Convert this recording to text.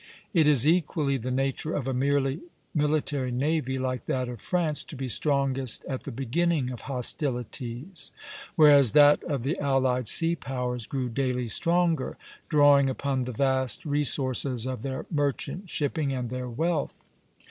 It is equally the nature of a merely military navy like that of France to be strongest at the beginning of hostilities; whereas that of the allied sea powers grew daily stronger, drawing upon the vast resources of their merchant shipping and their wealth.